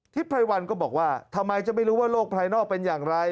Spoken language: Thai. ไพรวัลก็บอกว่าทำไมจะไม่รู้ว่าโลกภายนอกเป็นอย่างไร